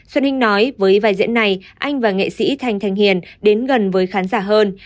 xuân hình nói với vài diễn này anh và nghệ sĩ thanh thanh hiền đến gần với khán giả hơn